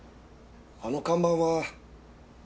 あの看板は。